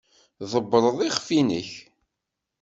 Tḍebbreḍ iɣef-nnek.